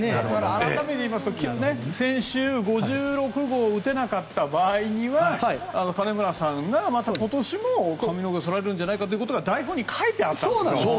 改めて言いますと、先週５６号を打てなかった場合には金村さんが今年も髪の毛を剃られるんじゃないかということで台本に書いてあったんです。